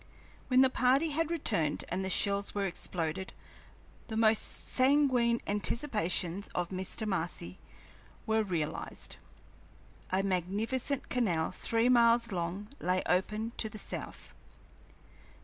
When the party had returned and the shells were exploded, the most sanguine anticipations of Mr. Marcy were realized. A magnificent canal three miles long lay open to the south.